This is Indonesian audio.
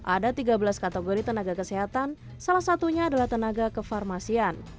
ada tiga belas kategori tenaga kesehatan salah satunya adalah tenaga kefarmasian